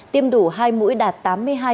tiêm đủ hai mũi đạt tám mươi hai hai